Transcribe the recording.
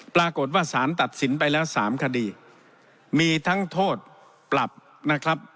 ปรากฏว่าสารตัดสินไปแล้ว๓คดีมีทั้งโทษปรับนะครับ